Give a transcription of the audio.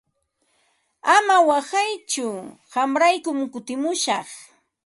Ama waqaytsu qamraykum kutimushaq.